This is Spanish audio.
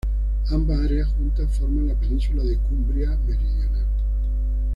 Ambas áreas juntas forman las penínsulas de Cumbria meridional.